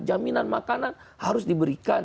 jaminan makanan harus diberikan